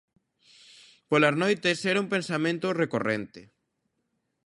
Polas noites, era un pensamento recorrente?